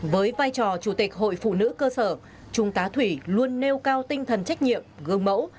với vai trò chủ tịch hội phụ nữ cơ sở trung tá thủy luôn nêu cao tinh thần trách nhiệm gương mẫu